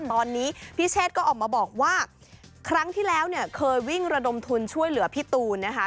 ตอนนี้พี่เชษก็ออกมาบอกว่าครั้งที่แล้วเนี่ยเคยวิ่งระดมทุนช่วยเหลือพี่ตูนนะคะ